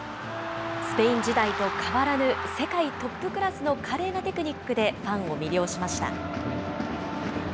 スペイン時代と変わらぬ世界トップクラスの華麗なテクニックでフ